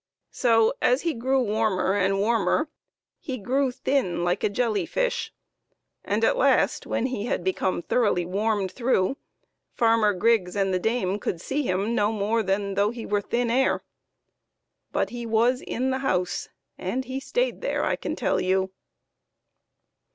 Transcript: So as he grew warmer and warmer, he grew thin, like a jelly fish, and at last, when he had become thoroughly warmed through, Farmer Griggs and the dame could see him no more than though he was thin air. But he was in the house, and he stayed there, 8o PEPPER AND SALT. I can tell you.